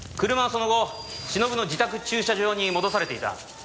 車はその後しのぶの自宅駐車場に戻されていた。